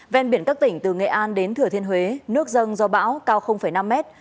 ven biển các tỉnh từ nghệ an đến thừa thiên huế nước dâng do bão cao năm mét